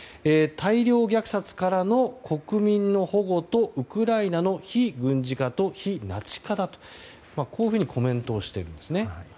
大量虐殺からの国民の保護とウクライナの非軍事化と非ナチ化だとこういうふうにコメントをしています。